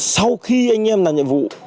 sau khi anh em làm nhiệm vụ